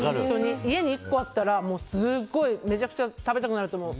家に１個あったらすごいめちゃくちゃ食べたくなると思う。